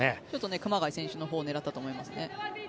熊谷選手のほうを狙ったと思いますね。